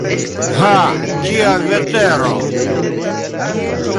Ha, kia vetero!